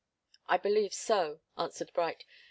"I believe so," answered Bright.